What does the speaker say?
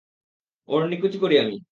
ওর নিকুচি করি আমি!